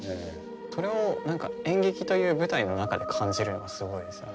それを何か演劇という舞台の中で感じるのはすごいですよね。